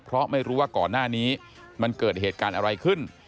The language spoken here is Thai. เพราะไม่รู้ว่าก่อนหน้านี้มันเกิดเหตุการณ์อะไรขึ้น